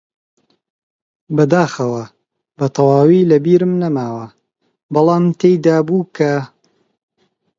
بەداخەوە بەتەواوی لەبیرم نەماوە، بەڵام تێیدابوو کە: